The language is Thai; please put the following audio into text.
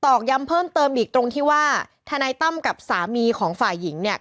อกย้ำเพิ่มเติมอีกตรงที่ว่าทนายตั้มกับสามีของฝ่ายหญิงเนี่ย